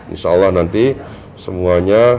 insya allah nanti semuanya